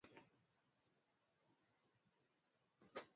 Huachi ninyauke